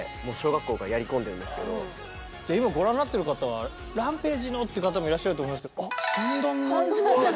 結構ガチでじゃあ今ご覧になってる方はＲＡＭＰＡＧＥのって方もいらっしゃると思いますけどあっ三段の。